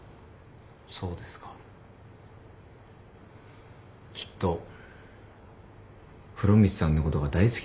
そうですか。きっと風呂光さんのことが大好きだったんですね。